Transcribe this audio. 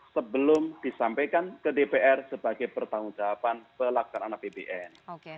sebelum disampaikan ke dpr sebagai pertanggungjawaban pelakonan apbn